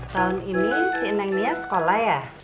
tahun ini si eneng nia sekolah ya